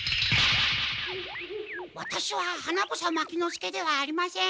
ワタシは花房牧之介ではありません。